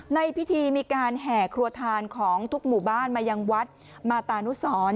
ในพิธีมีการแห่ครัวทานของทุกหมู่บ้านมายังวัดมาตานุสร